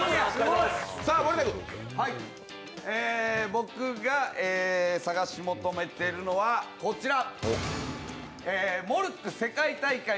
僕が探し求めているのはこちら。